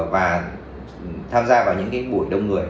và tham gia vào những cái buổi đông người